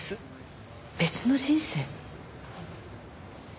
別の人生？